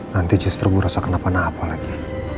nanti justru bu rosa kenapa napa lagi